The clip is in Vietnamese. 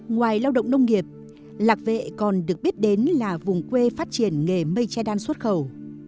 ngoài lao động nông nghiệp lạc vệ còn được biết đến là vùng quê phát triển nghề mechidan xuất khẩu